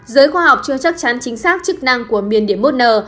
giới khoa học chưa chắc chắn chính xác chức năng của miền điểm một n